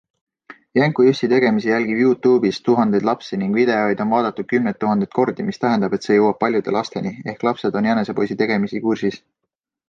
Jänku-Jussi tegemisi jälgib YouTube'is tuhandeid lapsi ning videoid on vaadatud kümneid tuhandeid kordi, mis tähendab, et see jõuab paljude lasteni ehk lapsed on jänesepoisi tegemisi kursis.